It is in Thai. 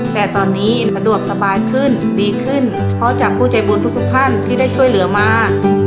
แต่ตอนนี้สะดวกสบายขึ้นดีขึ้นเพราะจากผู้ใจบุญทุกท่านที่ได้ช่วยเหลือมา